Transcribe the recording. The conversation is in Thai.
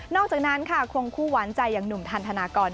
อกจากนั้นค่ะควงคู่หวานใจอย่างหนุ่มทันธนากร